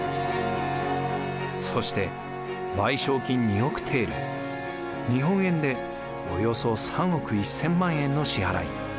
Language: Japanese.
そして賠償金２億テール日本円でおよそ３億１，０００万円の支払い。